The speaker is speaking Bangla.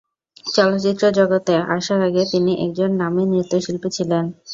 চলচ্চিত্র জগতে আসার আগে তিনি একজন নামী নৃত্যশিল্পী ছিলেন।